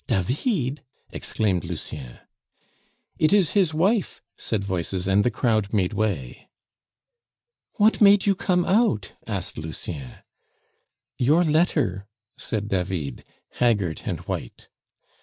"David!" exclaimed Lucien. "It is his wife," said voices, and the crowd made way. "What made you come out?" asked Lucien. "Your letter," said David, haggard and white.